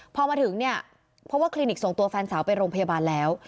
พอมาถึงเนี่ยเพราะว่าคลินิกส่งตัวแฟนสาวไปโรงพยาบาลแล้ว